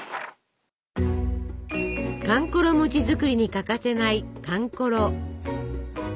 かんころ餅作りに欠かせないかんころ。